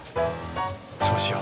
そうしよう。